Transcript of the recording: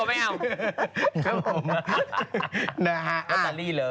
า้นตัลลี่ละ